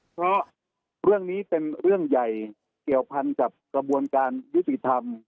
เพราะเรื่องนี้เป็นเรื่องใหญ่เกี่ยวพันกับกระบวนการยุติธรรม